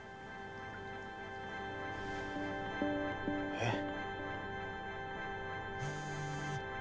えっ。